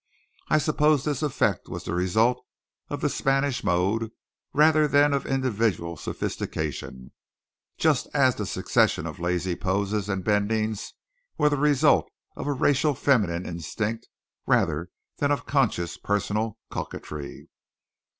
I suppose this effect was the result of the Spanish mode rather than of individual sophistication; just as the succession of lazy poses and bendings were the result of a racial feminine instinct rather than of conscious personal coquetry.